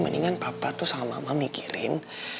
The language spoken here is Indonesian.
mendingan papa tuh sama mama mikirin